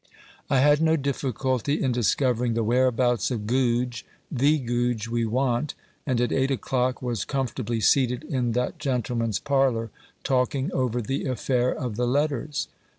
I had no difficulty in discovering the whereabouts of Goodge the Goodge we want and at eight o'clock was comfortably seated in that gentleman's parlour, talking over the affair of the letters.